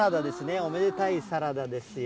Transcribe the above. おめでたいサラダですよ。